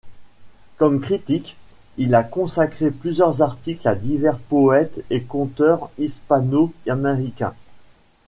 Comme critique, il a consacré plusieurs articles à divers poètes et conteurs hispano-américains.